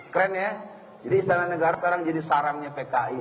keren ya jadi istana negara sekarang jadi sarangnya pki